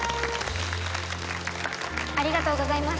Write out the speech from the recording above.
ありがとうございます。